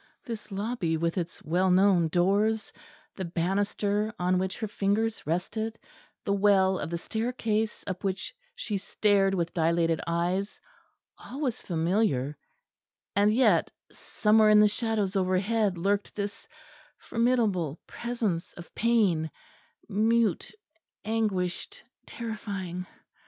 This lobby with its well known doors the banister on which her fingers rested the well of the staircase up which she stared with dilated eyes all was familiar; and yet, somewhere in the shadows overhead lurked this formidable Presence of pain, mute, anguished, terrifying....